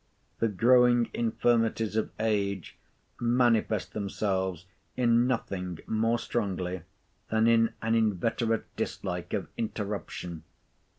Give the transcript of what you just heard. The growing infirmities of age manifest themselves in nothing more strongly, than in an inveterate dislike of interruption.